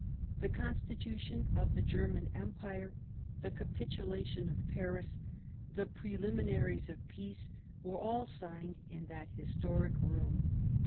The Constitution of the Germian Empire, the Capitulation of Paris, the preliminaries of peace, were all signed in that historic room.